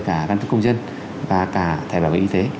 cả căn cước công dân và cả thẻ bảo hiểm y tế